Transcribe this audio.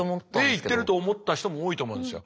Ａいってると思った人も多いと思うんですよ。